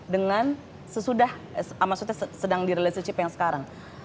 dengan sesudah maksudnya sedang di relationship yang sekarang